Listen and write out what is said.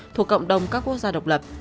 thuộc cộng đồng các quốc gia độc lập